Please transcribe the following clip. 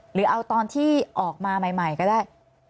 หรือเอาตอนที่ออกมาใหม่ก็ได้